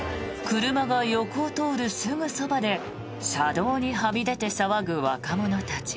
車が横を通るすぐそばで車道にはみ出て騒ぐ若者たち。